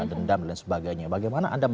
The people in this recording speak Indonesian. dendam dan sebagainya bagaimana anda